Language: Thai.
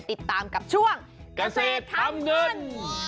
ติดตามกับช่วงเกษตรทำเงิน